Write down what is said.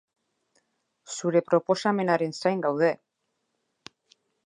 Zure proposamenaren zain gaude!